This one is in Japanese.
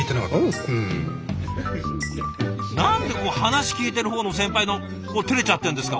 何でこう話聞いてる方の先輩てれちゃってんですか